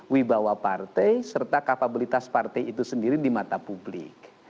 wibawa partai serta kapabilitas partai itu sendiri di mata publik